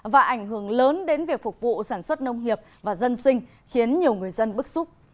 và ảnh hưởng lớn đến việc phục vụ sản xuất nông nghiệp và dân sinh khiến nhiều người dân bức xúc